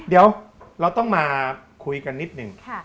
เดี๋ยวเราต้องมาคุยกันนิดหนึ่ง